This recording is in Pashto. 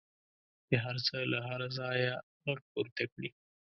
چې هر څه له هره ځایه غږ پورته کړي.